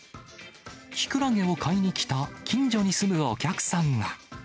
きくらげを買いに来た、近所に住むお客さんは。